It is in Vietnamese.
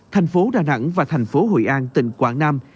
thành phố đà nẵng và thành phố hội an tỉnh quảng nam